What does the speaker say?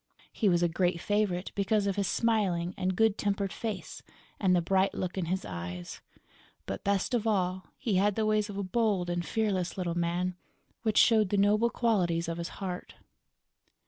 He was a great favorite because of his smiling and good tempered face and the bright look in his eyes; but, best of all, he had the ways of a bold and fearless little man, which showed the noble qualities of his heart.